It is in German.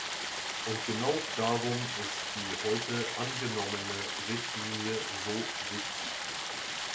Und genau darum ist die heute angenommene Richtlinie so wichtig.